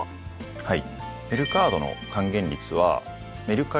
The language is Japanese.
はい。